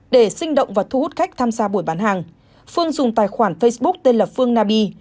để sinh động và thu hút khách tham gia buổi bán hàng phương dùng tài khoản facebook tên là phương nabi